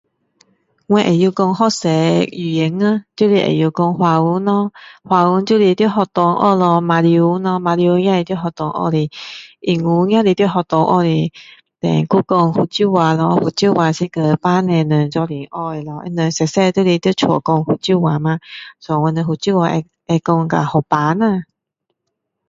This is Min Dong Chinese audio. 我会说蛮多语言啊就是会说华语咯华语就是在学校学马来文咯马来文也是在学校学的英文也是在学校学的 then 又说福州话咯福州话是跟爸妈们一起学的咯他们小小就是在家说福州话吗 so 我们福州话会说到很平啦